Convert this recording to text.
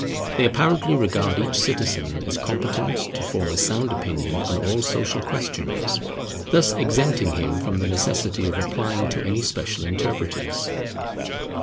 They apparently regard each citizen as competent to form a sound opinion on all social questions, thus exempting him from the necessity of applying to any special interpreters.